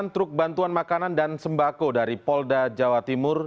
delapan truk bantuan makanan dan sembako dari polda jawa timur